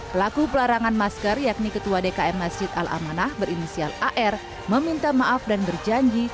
pelaku pelarangan masker yakni ketua dkm masjid al amanah berinisial ar meminta maaf dan berjanji